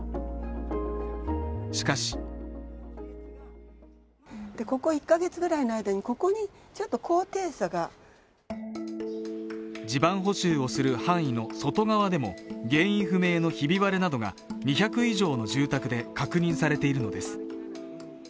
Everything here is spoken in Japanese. しかし地盤補修をする範囲の外側でも原因不明のひび割れなどが２００以上の住宅で確認されているのです。